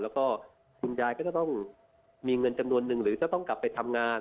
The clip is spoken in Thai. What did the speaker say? แล้วก็คุณยายก็จะต้องมีเงินจำนวนนึงหรือจะต้องกลับไปทำงาน